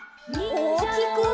おおきく！